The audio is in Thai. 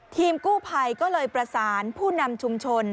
ทีมกู้ภัยก็เลยประสานผู้นำชุมชน